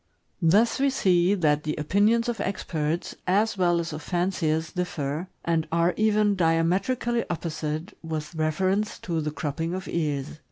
Thus we see that the opinions of experts, as well as of fanciers, differ, and are even diametrically opposite, with reference to the cropping of ears.